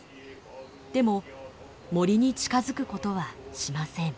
でも森に近づくことはしません。